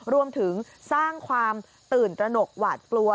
รวมถึงสร้างความตื่นตระหนกหวาดกลัว